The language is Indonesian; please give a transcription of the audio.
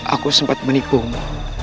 aku sempat menipumu